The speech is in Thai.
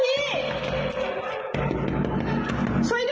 อะไรอ่ะ